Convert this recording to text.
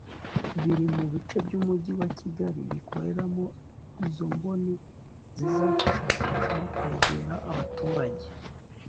biri mu bice by umujyi wa kigali bikoreramo izo mboni zizafasha kurushaho kwegera abaturage